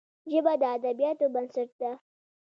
ژبه د ادبياتو بنسټ ده